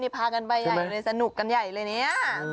พากันใบใหญ่เลยสนุกกันใหญ่เลยเนี่ย